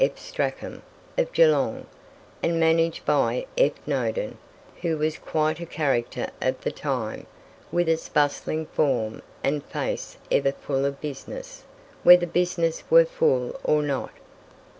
F. Strachan, of Geelong, and managed by F. Nodin, who was quite a character of the time, with his bustling form, and face ever full of business, whether business were full or not.